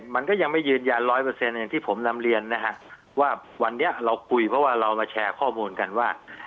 อ๋อมันก็ยังไม่ยืนยัน๑๐๐อย่างที่ผมนำเรียนนะฮะว่าวันนี้เราคุยเพราะว่าเรามาแชร์ข้อมูลกันว่า